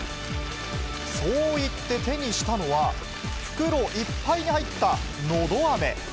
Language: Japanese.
そう言って手にしたのは、袋いっぱいに入ったのどあめ。